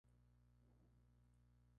Patas posteriores ligeramente excluidas.